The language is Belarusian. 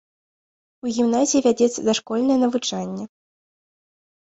У гімназіі вядзецца дашкольнае навучанне.